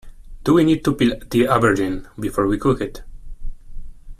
Do we need to peel the aubergine before we cook it?